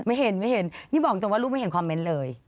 ไม่เห็นนี่บอกจนว่าลูกไม่เห็นคอมเมนต์เลย